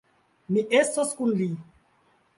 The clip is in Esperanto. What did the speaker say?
Mi estos kun li.